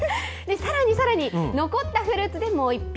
さらにさらに、残ったフルーツでもう一品。